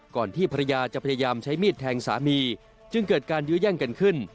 ที่ภรรยาจะพยายามใช้มีดแทงสามีจึงเกิดการยื้อแย่งกันขึ้น